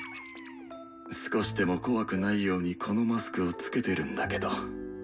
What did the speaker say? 少しでも怖くないようにこのマスクをつけてるんだけど。